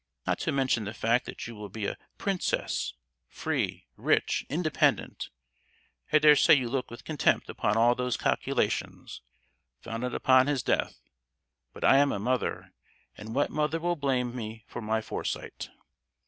Not to mention the fact that you will be a princess—free, rich, independent! I dare say you look with contempt upon all these calculations—founded upon his death; but I am a mother, and what mother will blame me for my foresight?